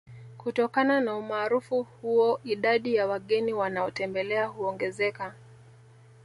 Kutokana na Umaarufu huo idadi ya wageni wanaotembelea huongezeka